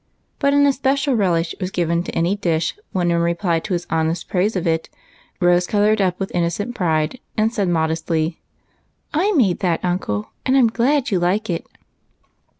But an especial relish was given to any dish when, in reply to his honest praise of it. Rose colored up with innocent pride, and said modestly, — "I made that, uncle, and I'm glad you like it."